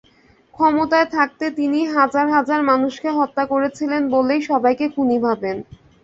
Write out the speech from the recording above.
ক্ষমতায় থাকতে তিনি হাজার হাজার মানুষকে হত্যা করেছিলেন বলেই সবাইকে খুনি ভাবেন।